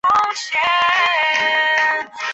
甚受汉和帝特殊宠爱。